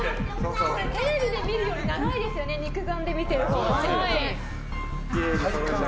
テレビで見るより長いですよね、肉眼で見るほうが。